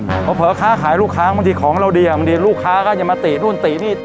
เพราะเผลอค้าขายลูกค้าบางทีของเราดีอ่ะบางทีลูกค้าก็จะมาตินู่นตินี่